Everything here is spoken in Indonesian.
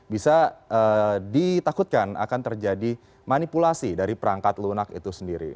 bisa ditakutkan akan terjadi manipulasi dari perangkat lunak itu sendiri